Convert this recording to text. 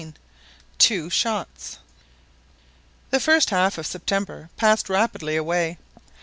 TWO SHOTS. The first half of September passed rapidly away.